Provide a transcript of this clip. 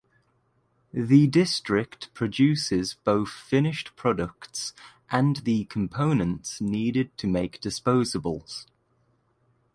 The district produces both finished products and the components needed to make disposables.